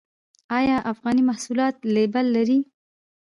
آیا افغاني محصولات لیبل لري؟